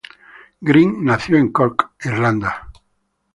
Greene nació en Cork, Irlanda.